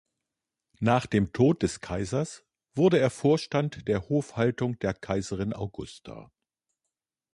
Nach dem Tod des Kaisers wurde er Vorstand der Hofhaltung der Kaiserin Augusta.